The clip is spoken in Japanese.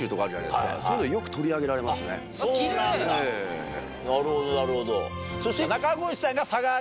そうなんだなるほどなるほど。